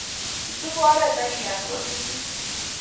Isub oret akiyan walutik